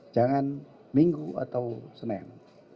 jangan minggu atau senin